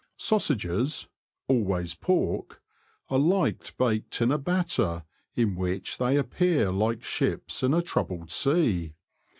Sausages (always pork) are liked baked in a batter, in which they appear like ships in a troubled sea.